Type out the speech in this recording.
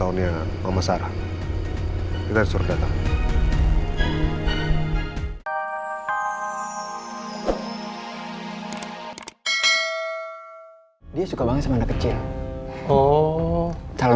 western apa aja yang kamu mau